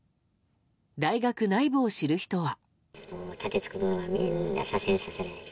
大学内部を知る人は。